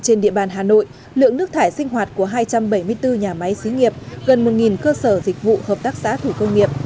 trên địa bàn hà nội lượng nước thải sinh hoạt của hai trăm bảy mươi bốn nhà máy xí nghiệp gần một cơ sở dịch vụ hợp tác xã thủ công nghiệp